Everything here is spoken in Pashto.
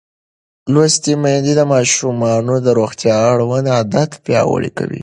لوستې میندې د ماشومانو د روغتیا اړوند عادتونه پیاوړي کوي.